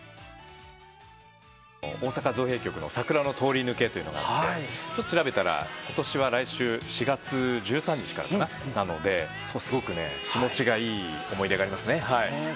大阪造幣局の桜の通り抜けというのがあって調べたら今年は来週４月１３日からなのですごく気持ちがいい思い出がありますね。